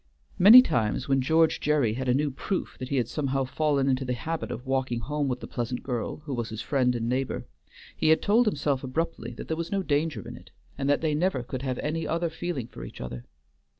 Many times when George Gerry had a new proof that he had somehow fallen into the habit of walking home with the pleasant girl who was his friend and neighbor, he had told himself abruptly that there was no danger in it, and that they never could have any other feeling for each other.